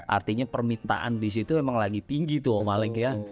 artinya permintaan di situ memang lagi tinggi tuh malik ya